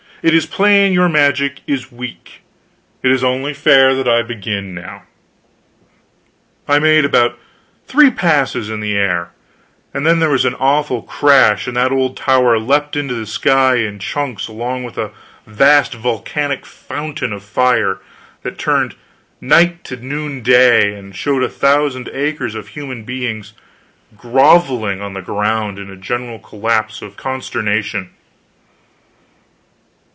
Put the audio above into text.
It is plain your magic is weak. It is only fair that I begin now." I made about three passes in the air, and then there was an awful crash and that old tower leaped into the sky in chunks, along with a vast volcanic fountain of fire that turned night to noonday, and showed a thousand acres of human beings groveling on the ground in a general collapse of consternation.